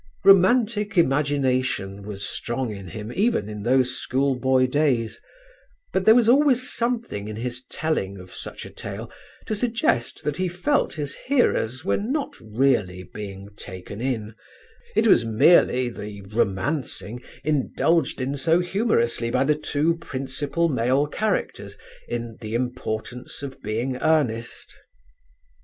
Romantic imagination was strong in him even in those schoolboy days; but there was always something in his telling of such a tale to suggest that he felt his hearers were not really being taken in; it was merely the romancing indulged in so humorously by the two principal male characters in 'The Importance of Being Earnest.'...